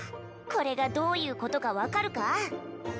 これがどういうことか分かるか？